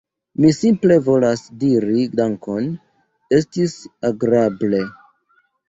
Mi simple volas diri dankon, estis agrable!